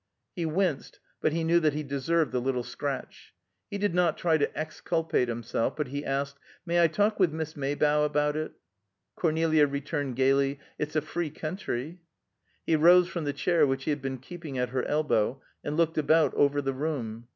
He winced, but he knew that he deserved the little scratch. He did not try to exculpate himself, but he asked, "May I talk with Miss Maybough about it?" Cornelia returned gayly, "It's a free country." He rose from the chair which he had been keeping at her elbow, and looked about over the room.